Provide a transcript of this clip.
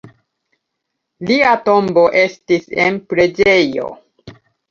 Lia tombo estis en preĝejo.